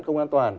không an toàn